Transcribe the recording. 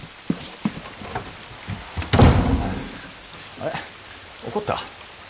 あれ怒った？